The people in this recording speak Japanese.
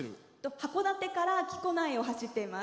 函館から木古内を走っています。